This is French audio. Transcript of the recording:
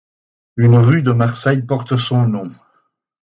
Une rue de Marseille porte son nom.